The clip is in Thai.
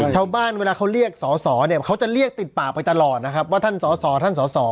เวลาเขาเรียกสอสอเนี่ยเขาจะเรียกติดปากไปตลอดนะครับว่าท่านสอสอท่านสอสอ